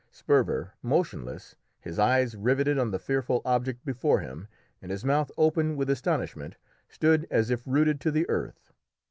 Sperver, motionless, his eyes riveted on the fearful object before him, and his mouth open with astonishment, stood as if rooted to the earth.